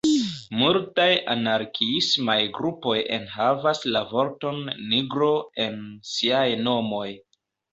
Multaj anarkiismaj grupoj enhavas la vorton "nigro" en siaj nomoj.